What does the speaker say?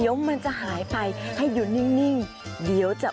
ว่ายังแน่นนิ่งเลยนะ